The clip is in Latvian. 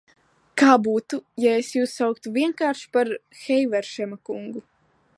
Kā būtu, ja es jūs sauktu vienkārši par Heiveršema kungu?